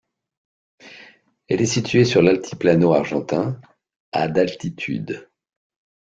Elle est située sur l'Altiplano argentin à d'altitude.